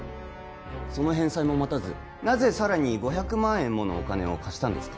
その返済も待たずなぜさらに５００万円ものお金を貸したんですか